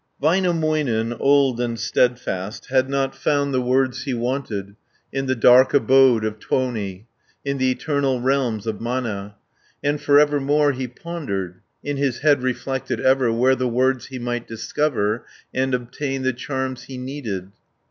Väinämöinen, old and steadfast, Had not found the words he wanted In the dark abode of Tuoni, In the eternal realms of Mana, And for evermore he pondered. In his head reflected ever. Where the words he might discover, And obtain the charms he needed.